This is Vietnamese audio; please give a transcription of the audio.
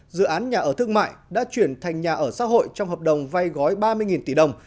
dự án nhà ở thương mại đã chuyển thành nhà ở xã hội trong hợp đồng vay gói ba mươi tỷ đồng